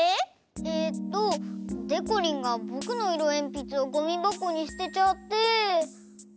えっとでこりんがぼくのいろえんぴつをゴミばこにすてちゃって。